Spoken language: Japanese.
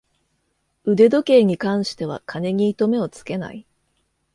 腕時計に関しては金に糸目をつけない